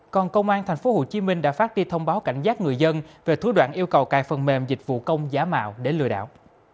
còn công an tp hcm đã phát đi thông báo cảnh giác người dân về thú đoạn yêu cầu cài phần mềm dịch vụ công giả mạo để lừa đảo